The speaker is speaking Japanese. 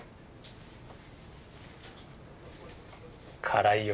辛いよ。